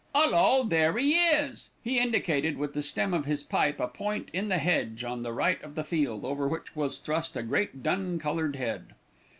"'Ullo, there 'e is." He indicated with the stem of his pipe a point in the hedge on the right of the field, over which was thrust a great dun coloured head.